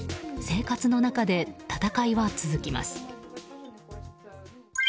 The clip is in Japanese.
生活の中で戦いは続きます。